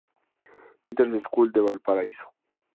Peters School de Valparaíso.